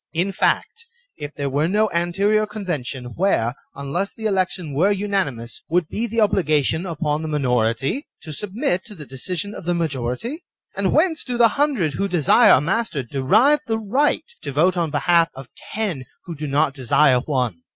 In fact, if there were no anterior convention, where, unless the election were unanimous, would be the obliga tion upon the minority to submit to the decision of the majority? And whence do the hundred who desire a master derive the right to vote on behalf of ten who do not desire one